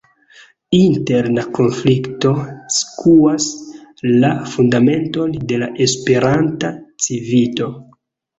Interna konflikto skuas la fundamenton de la Esperanta Civito.